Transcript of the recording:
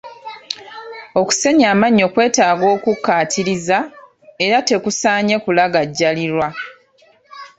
Okusenya amannyo kwetaaga okukkaatiriza, era tekusaanye kulagajjalirwa.